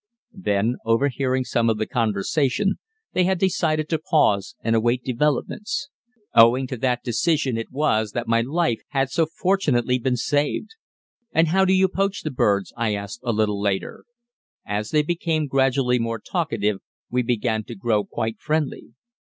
Then, overhearing some of the conversation, they had decided to pause and await developments. Owing to that decision it was that my life had so fortunately been saved. "And how do you poach the birds?" I asked a little later; as they became gradually more talkative we began to grow quite friendly.